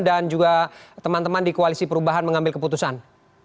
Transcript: dan juga teman teman di koalisi perubahan mengambil keputusan